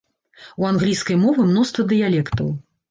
У англійскай мовы мноства дыялектаў.